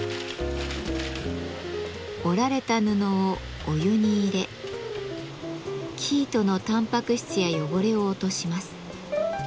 織られた布をお湯に入れ生糸のたんぱく質や汚れを落とします。